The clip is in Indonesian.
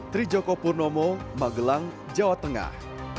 trijoko purnomo magelang jawa tengah